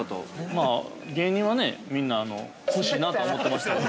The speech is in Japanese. ◆まあ、芸人はねみんな欲しいなとは思ってますよ。